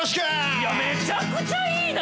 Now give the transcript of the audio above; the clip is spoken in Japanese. いやめちゃくちゃいいな！